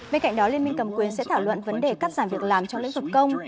bên cạnh đó liên minh cầm quyền sẽ thảo luận vấn đề cắt giảm việc làm trong lĩnh vực công